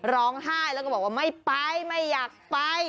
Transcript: ร้องไห้แล้วก็บอกว่าไม่ไปไม่อยากไป